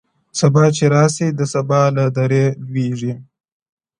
سبا چي راسي د سبــا له دره ولــوېږي.!